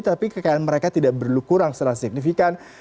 tapi kekayaan mereka tidak berdua kurang secara signifikan